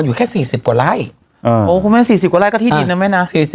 พี่พี่พี่พี่พี่พี่พี่พี่พี่พี่